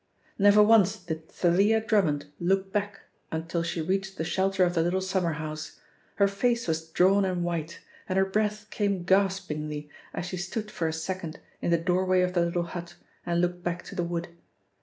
Never once did Thalia Drummond look back until she reached the shelter of the little summer house. Her face was drawn and white, and her breath came gaspingly as she stood for a second in the doorway of the little hut, and looked back to the wood.